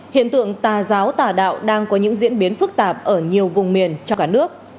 hiện tượng tà giáo tà đạo đang có những diễn biến phức tạp ở nhiều vùng miền cho cả nước